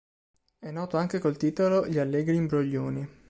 È noto anche col titolo Gli allegri imbroglioni.